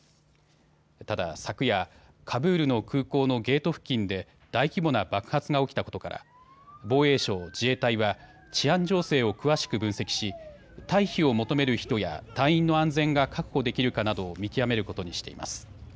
ただ昨夜、カブールの空港のゲート付近で大規模な爆発が起きたことから防衛省、自衛隊は治安情勢を詳しく分析し退避を求める人や、隊員の安全が確保できるかなどを見極めることにしています。